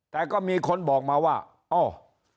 แต่ก็มีคนบอกมาว่าอ้อ